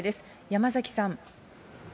山崎さん。